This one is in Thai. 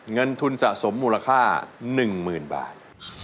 เงินทุนสะสมมูลค่า๑๐๐๐บาท